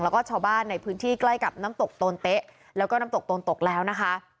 แล้วก็ชาวบ้านในพื้นที่ใกล้กับน้ำตกโตนเต๊ะแล้วก็น้ำตกโตนตกแล้วนะคะ